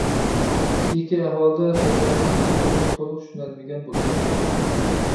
كېيىكى ئەھۋالدا سۆزلەرنىڭ مەنىلىرىنى تولۇق چۈشىنەلمىگەن بولىدۇ.